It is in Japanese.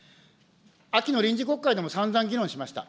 秋の臨時国会でもさんざん議論しました。